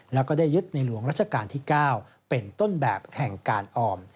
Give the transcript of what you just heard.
แล้วก็ได้ยึดในหลวงรัชกาลที่๙เป็นต้นแบบแห่งการออม